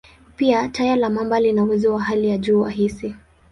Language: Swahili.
Pia, taya la mamba lina uwezo wa hali ya juu wa hisi.